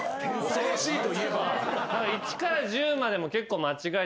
恐ろしいといえば。